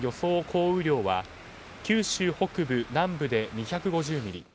降雨量は九州北部・南部で２５０ミリ